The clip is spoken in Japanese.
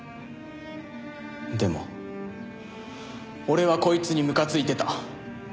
でも俺はこいつにむかついてた。